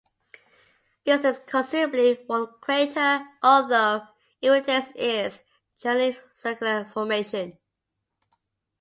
This is a considerably worn crater, although it retains its generally circular formation.